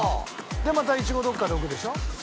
でまたイチゴどっかで置くでしょ？